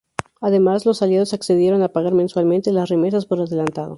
Además, los Aliados accedieron a pagar mensualmente las remesas por adelantado.